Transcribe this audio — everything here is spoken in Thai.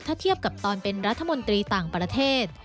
ถ้าเทียบกับตอนเป็นรัฐมนตรีต่างประเทศ